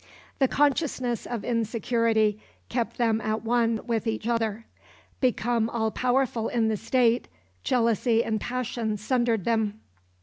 " The consciousness of insecurity kept them at one with each other. Become all powerful in the State, jealousy and passion sundered them.